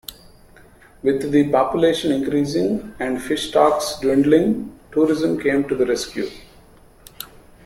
With the population increasing and fish stocks dwindling, tourism came to the rescue.